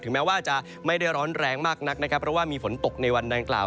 แม้ว่าจะไม่ได้ร้อนแรงมากนักนะครับเพราะว่ามีฝนตกในวันดังกล่าว